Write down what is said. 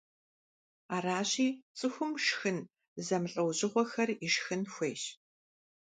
Аращи, цӀыхум шхын зэмылӀэужъыгъуэхэр ишхын хуейщ.